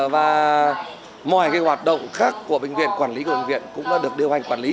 và mọi hoạt động khác của bệnh viện quản lý của bệnh viện cũng được điều hành quản lý